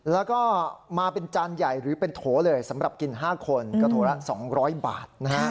แล้วก็มาเป็นจานใหญ่หรือเป็นโถเลยสำหรับกิน๕คนก็โถละ๒๐๐บาทนะฮะ